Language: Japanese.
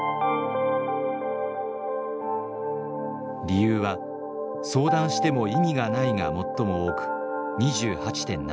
理由は「相談しても意味がない」が最も多く２８．７％。